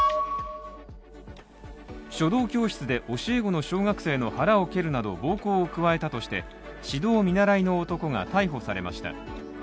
書道教室で教え子の小学生の腹を蹴るなど暴行を加えたとして指導見習いの男が逮捕されました。